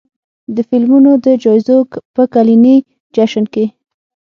د فلمونو د جایزو په کلني جشن کې